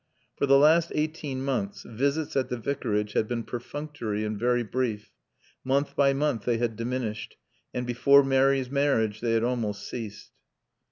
For the last eighteen months visits at the Vicarage had been perfunctory and very brief, month by month they had diminished, and before Mary's marriage they had almost ceased.